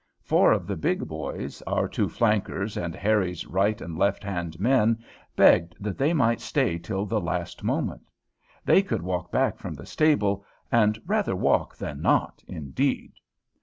Four of the big boys, our two flankers and Harry's right and left hand men, begged that they might stay till the last moment. They could walk back from the stable, and "rather walk than not, indeed."